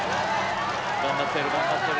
頑張ってる頑張ってる。